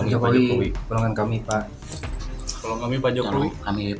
tolong kami pak jokowi tolong kami secepatnya